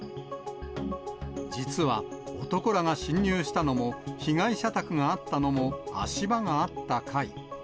実は、男らが侵入したのも、被害者宅があったのも、足場があった階。